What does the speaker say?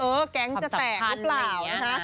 เออก็แก๊งจะแตกหรือเปล่า